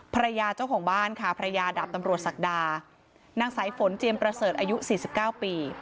เจ้าของบ้านค่ะภรรยาดาบตำรวจศักดานางสายฝนเจียมประเสริฐอายุ๔๙ปี